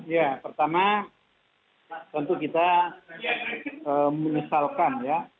ya pertama tentu kita menyesalkan ya